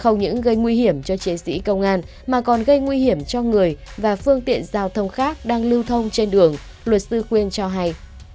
không những gây nguy hiểm cho chiến sĩ công an mà còn gây nguy hiểm cho người và phương tiện giao thông khác đang lưu thông trên đường luật sư quyên cho hay